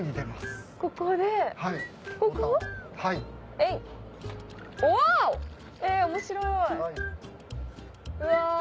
え面白い。